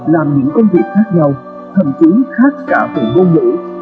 làm những công việc khác nhau thậm chí khác cả về ngôn ngữ